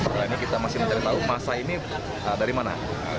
karena ini kita masih mencari tahu masa ini dari mana